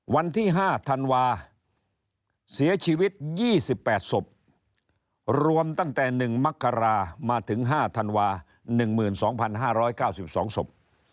วันที่๕ธันวาเสียชีวิต๒๘ศพรวมตั้งแต่๑มกรามาถึง๕ธันวา๑๒๕๙๒ศพ